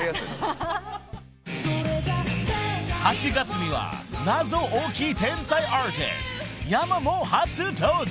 ［８月には謎多き天才アーティストｙａｍａも初登場］